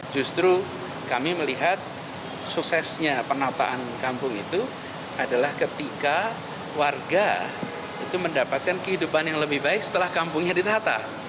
justru kami melihat suksesnya penataan kampung itu adalah ketika warga itu mendapatkan kehidupan yang lebih baik setelah kampungnya ditata